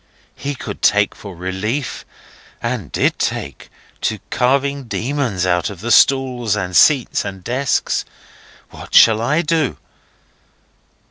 He could take for relief (and did take) to carving demons out of the stalls and seats and desks. What shall I do?